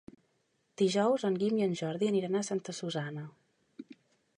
Dijous en Guim i en Jordi aniran a Santa Susanna.